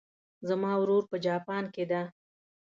زما ورور په جاپان کې ده